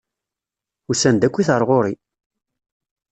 Usan-d akkit ar ɣur-i!